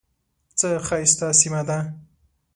څه ښایسته سیمه ده .